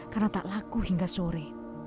karena tak laku hingga sore